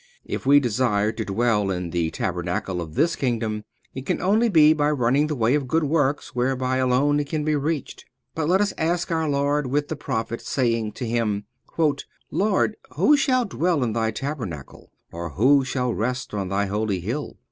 If we desire to dwell in the tabernacle of this kingdom, it can only be by running the way of good works, whereby alone it can be reached. But let us ask our Lord with the Prophet saying to Him: "Lord, who shall dwell in Thy tabernacle, or who shall rest on Thy holy hill?"